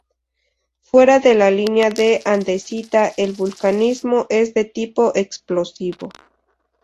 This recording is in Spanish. Fuera de la línea de andesita, el vulcanismo es de tipo explosivo.